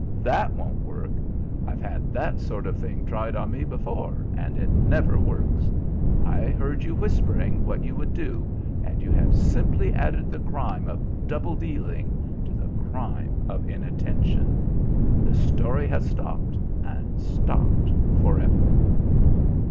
That won't work. I've had that sort of thing tried on me before, and it never works. I heard you whispering what you would do, and you have simply added the crime of double dealing to the crime of inattention. The story has stopped, and stopped forever."